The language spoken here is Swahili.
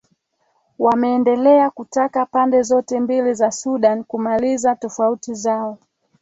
wameendelea kutaka pande zote mbili za sudan kumaliza tofauti zao